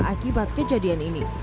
akibat kejadian ini